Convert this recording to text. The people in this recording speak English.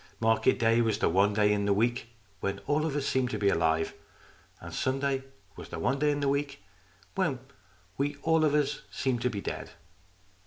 Market day was the one day in the week when we all of us seemed to be alive. And Sunday was the one day in the week when we all of us seemed to be dead.